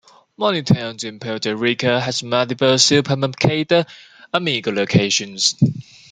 Many towns in Puerto Rico had multiple "Supermercados Amigo" locations.